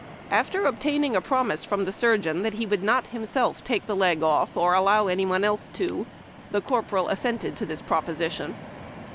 After obtaining a promise from tlie surgeon that he would not himself take the leg off or allow any one else to, the cor poral assented to the proposition.